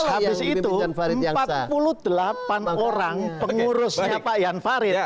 habis itu empat puluh delapan orang pengurusnya pak jan farid